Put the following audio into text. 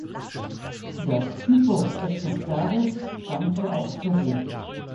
Das Typusexemplare stammte aus Peru.